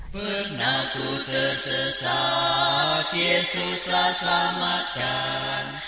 pernah ku tersesat yesuslah selamatkan